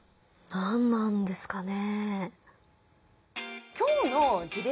何なんですかね。